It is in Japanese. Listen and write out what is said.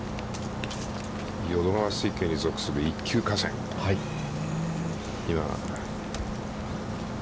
淀川水系に属する一級河川。